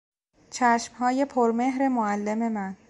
چشمهای پرمهر معلم من